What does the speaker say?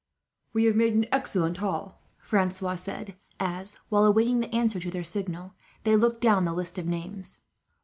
"We have made an excellent haul," Francois said as, while awaiting the answer to their signal, they looked down the list of names.